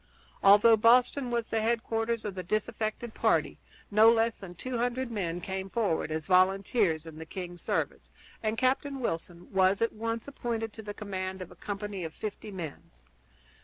Although Boston was the headquarters of the disaffected party, no less than two hundred men came forward as volunteers in the king's service, and Captain Wilson was at once appointed to the command of a company of fifty men.